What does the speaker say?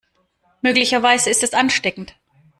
Möglicherweise ist es ansteckend.